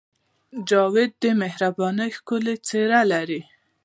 جانداد د مهربانۍ ښکلی څېرہ لري.